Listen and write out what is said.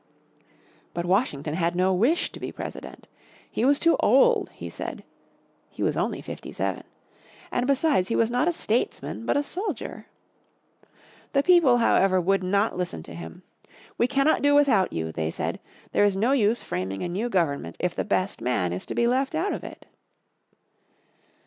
But Washington had no wish to be President. He was too old, he said (he was only fifty seven) and besides he was not even a statesman but a soldier. The people, however, would not listen to him. "We cannot do without you," they said. "There is no use framing a new government if the best man is to be left out of it."